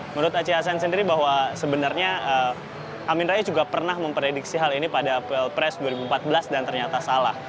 menurut aci hasan sendiri bahwa sebenarnya amin rais juga pernah memprediksi hal ini pada pilpres dua ribu empat belas dan ternyata salah